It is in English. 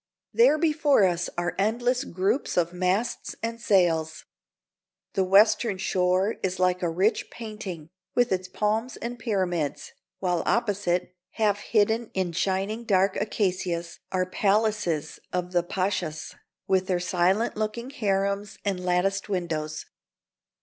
There before us are endless groups of masts and sails. The western shore is like a rich painting, with its palms and Pyramids, while opposite, half hidden in shining dark acacias, are palaces of the pashas, with their silent looking harems and latticed windows.